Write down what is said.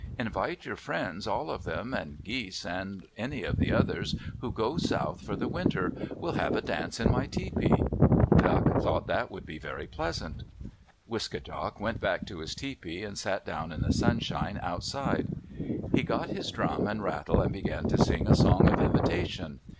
Invite your friends, all of them, and Geese and any of the others who go south for the winter. We'll have a dance in my tepee." Duck thought that would be very pleasant. Wiske djak went back to his tepee, and sat down in the sunshine outside. He got his drum and rattle and began to sing a song of invitation.